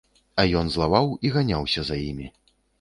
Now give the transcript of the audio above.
А ён злаваў і ганяўся за імі.